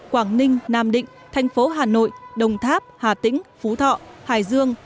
quảng ninh nam định thành phố hà nội đồng tháp hà tĩnh phú thọ hải dương